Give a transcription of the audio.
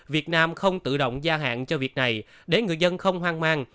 việt nam không tự động gia hạn cho việc này để người dân không hoang mang